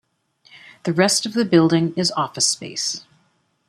The rest of the building is office space.